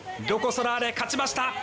ロコ・ソラーレ勝ちました。